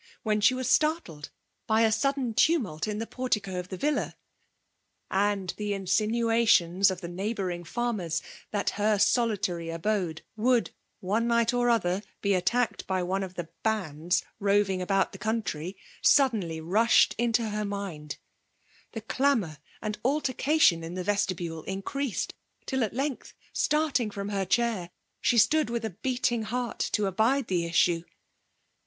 hen she "was startled by a sudd^it tutmilt in the portico of the villa ; and the in« sinuations of the neighbouring farmers, that h0r solitary abode would one night or other be ivttaeked 1^ one of the " bands " roving about file country, suddenly rushed into her mind»' Th0 clamour and altercation in the vestibule increased; till at length, starting from her thalr, she stood with a beating heart to abide Hhfe iftsue.